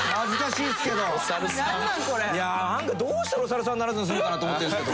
いやどうしたらお猿さんにならずに済むかなと思ってるんですけど。